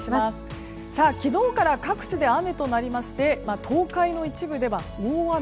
昨日から各地で雨となりまして東海の一部では大雨。